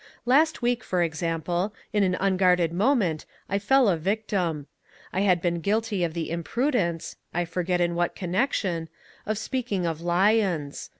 Last week, for example, in an unguarded moment I fell a victim. I had been guilty of the imprudence I forget in what connection of speaking of lions.